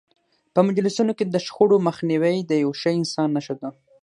په مجلسونو کې د شخړو مخنیوی د یو ښه انسان نښه ده.